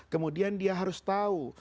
kemudian dia harus tahu